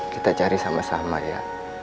kita cari sama sama ya